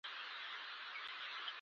زر کاوه, بيړه کاوه کني ده نه ځم.